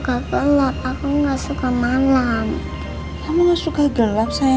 pak al udah punya istri